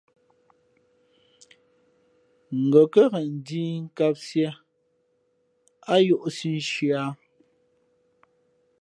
Ngα̌ kάghen ndǐh kāmsiē á yǒhsī nshi ā.